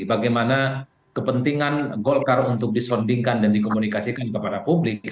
bagaimana kepentingan golkar untuk disondingkan dan dikomunikasikan kepada publik